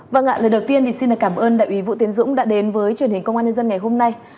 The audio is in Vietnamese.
vâng ạ lời đầu tiên thì xin cảm ơn đại úy vũ tiến dũng đã đến với truyền hình công an nhân dân ngày hôm nay